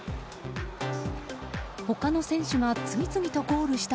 他の選手が次々とゴールした